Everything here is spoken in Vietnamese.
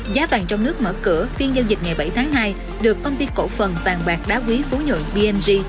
giá vàng trong nước mở cửa phiên giao dịch ngày bảy tháng hai được công ty cổ phần vàng bạc đá quý phú nhuận bng